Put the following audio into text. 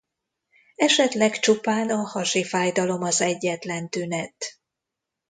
Esetleg csupán a hasi fájdalom az egyetlen tünet.